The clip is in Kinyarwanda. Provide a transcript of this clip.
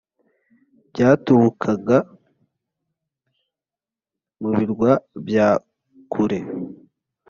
byaturukaga mu birwa bya kure